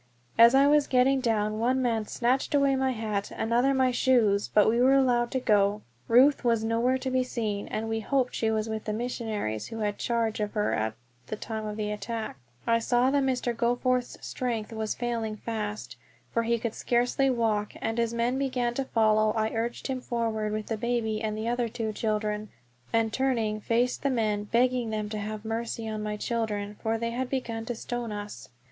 As I was getting down one man snatched away my hat, another my shoes; but we were allowed to go. Ruth was nowhere to be seen, and we hoped she was with the missionaries who had charge of her at the time of attack. I saw that Mr. Goforth's strength was failing fast, for he could scarcely walk, and as men began to follow I urged him forward with the baby and the other two children, and turning faced the men, begging them to have mercy on my children, for they had begun to stone us.